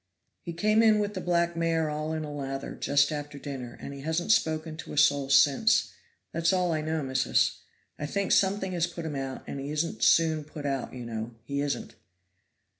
"He came in with the black mare all in a lather, just after dinner, and he hasn't spoke to a soul since. That's all I know, missus. I think something has put him out, and he isn't soon put out, you know, he isn't."